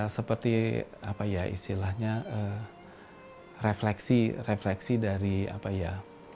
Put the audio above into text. seperti apa ya istilahnya refleksi refleksi dari apa ya